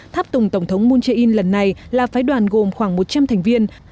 tháp tùng tổng thống moon jae in lần này là phái đoàn gồm khoảng một trăm linh thành viên